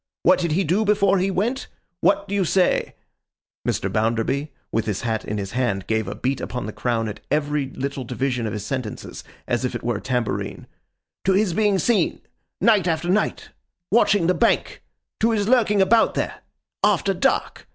What did he do before he went? What do you say;' Mr. Bounderby, with his hat in his hand, gave a beat upon the crown at every little division of his sentences, as if it were a tambourine; 'to his being seen—night after night—watching the Bank?—to his lurking about there—after dark?